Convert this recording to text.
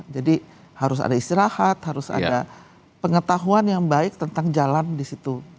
jadi harus ada istirahat harus ada pengetahuan yang baik tentang jalan di situ